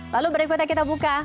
lalu berikutnya kita buka